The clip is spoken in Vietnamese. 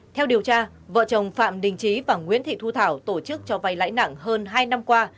theo điều tra vợ chồng phạm đình trí và nguyễn thị thu thảo tổ chức cho vay lãi nặng hơn hai năm qua